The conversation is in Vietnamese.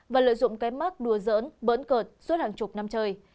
và lợi dụng cái mắt đùa giỡn bỡn cợt suốt hàng chục năm trời